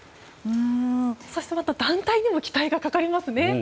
そして団体にも期待がかかりますね。